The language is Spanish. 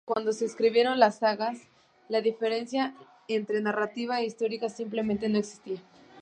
Cuando se escribieron las sagas, la diferencia entre narrativa e historia simplemente no existía.